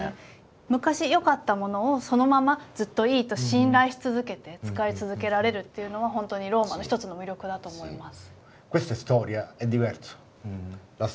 昔よかったものをそのままずっといいと信頼し続けて使い続けられるっていうのは本当にローマの一つの魅力だと思います。